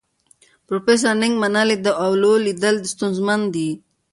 پروفیسور نګ منلې، د اولو لیدل ستونزمن دي.